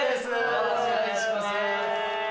よろしくお願いします。